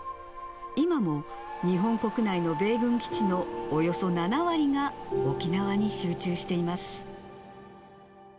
今も日本国内の米軍基地のおよそ７割が沖縄に集中しています。